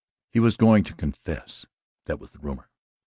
He was going to confess that was the rumour.